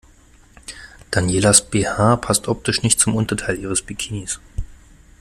Danielas BH passt optisch nicht zum Unterteil ihres Bikinis.